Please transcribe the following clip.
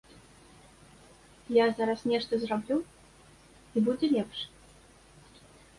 Я зараз нешта зраблю, і будзе лепш.